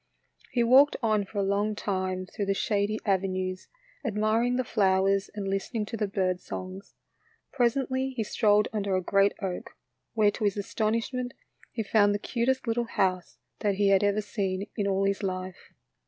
He walked on for a long time through the shady avenues, admiring the flowers and listen ing to the bird songs. Presently he strolled under a great oak, where to his astonishment he found the cutest little house that he had ever seen in all his life.